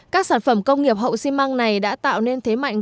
các sản phẩm công nghiệp hậu xi măng này đã tạo nên thế mạnh